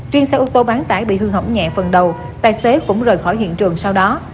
riêng xe ô tô bán tải bị hư hỏng nhẹ phần đầu tài xế cũng rời khỏi hiện trường sau đó